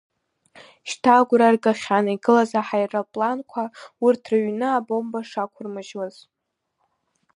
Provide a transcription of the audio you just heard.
Шьҭа агәра ргахьан игылаз аҳаирпланқәа урҭ рыҩны абомба шақәырмыжьуаз.